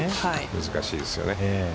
難しいですよね。